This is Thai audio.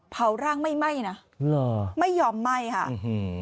เผาร่างไม่ไหม้นะเหรอไม่ยอมไหม้ค่ะอื้อหือ